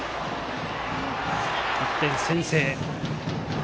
１点先制。